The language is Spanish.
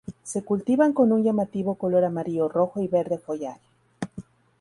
Se cultivan con un llamativo color amarillo, rojo y verde follaje.